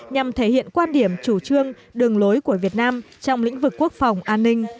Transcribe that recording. nhằm thể hiện quan điểm chủ trương đường lối của việt nam trong lĩnh vực quốc phòng an ninh